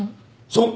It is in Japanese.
そう。